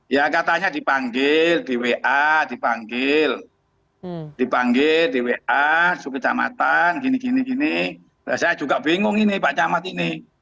ya katanya dipanggil di wa dipanggil di wa sukit camatan gini gini saya juga bingung pak camat ini